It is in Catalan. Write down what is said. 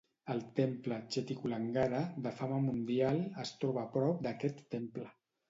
El temple Chettikulangara, de fama mundial, es troba a prop d'aquest temple.